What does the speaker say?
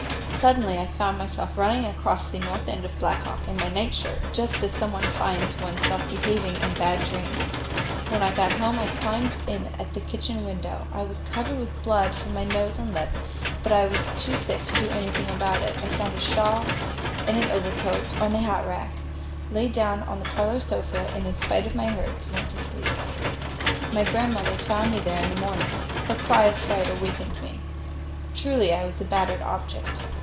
Suddenly I found myself running across the north end of Black Hawk in my nightshirt, just as one sometimes finds one's self behaving in bad dreams. When I got home I climbed in at the kitchen window. I was covered with blood from my nose and lip, but I was too sick to do anything about it. I found a shawl and an overcoat on the hatrack, lay down on the parlor sofa, and in spite of my hurts, went to sleep. Grandmother found me there in the morning. Her cry of fright awakened me. Truly, I was a battered object.